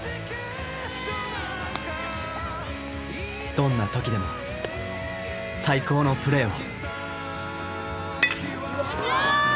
どんな時でも最高のプレーを。